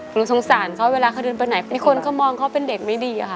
หนูสงสารเขาเวลาเขาเดินไปไหนมีคนเขามองเขาเป็นเด็กไม่ดีอะค่ะ